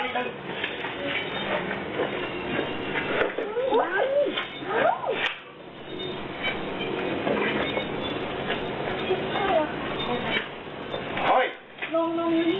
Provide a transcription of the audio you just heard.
ลง